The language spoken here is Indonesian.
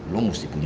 lo mesti berusaha